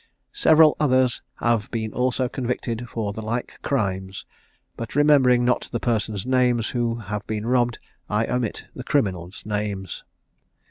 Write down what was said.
"Several others have been also convicted for the like crimes; but, remembering not the persons' names who had been robbed, I omit the criminals names.